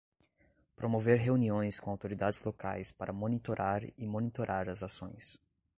Promover reuniões com autoridades locais para monitorar e monitorar as ações.